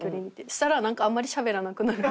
そしたらなんかあんまりしゃべらなくなる。